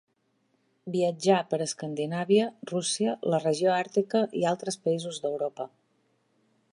Viatjà per Escandinàvia, Rússia, la regió àrtica i altres països d'Europa.